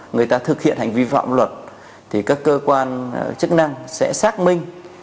người ta thực hiện hành vi phạm luật thì các cơ quan chức năng sẽ xác minh